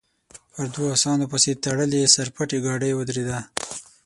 پر دوو اسانو پسې تړلې سر پټې ګاډۍ ودرېده.